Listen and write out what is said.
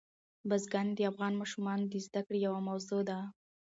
بزګان د افغان ماشومانو د زده کړې یوه موضوع ده.